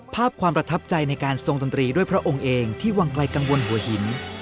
ภาพความประทับใจในการทรงดนตรีด้วยพระองค์เองที่วังไกลกังวลหัวหิน